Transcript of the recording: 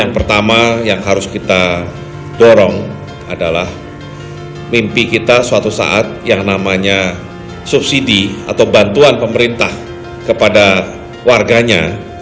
yang pertama yang harus kita dorong adalah mimpi kita suatu saat yang namanya subsidi atau bantuan pemerintah kepada warganya